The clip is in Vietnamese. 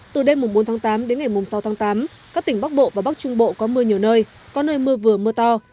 từ đêm bốn tháng tám đến ngày sáu tháng tám các tỉnh bắc bộ và bắc trung bộ có mưa nhiều nơi có nơi mưa vừa mưa to